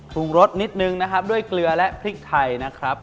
งรสนิดนึงนะครับด้วยเกลือและพริกไทยนะครับ